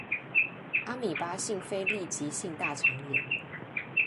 阿米巴性非痢疾性大腸炎